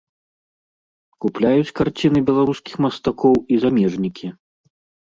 Купляюць карціны беларускіх мастакоў і замежнікі.